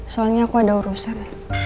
soalnya aku ada urusan